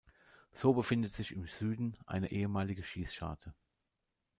So befindet sich im Süden eine ehemalige Schießscharte.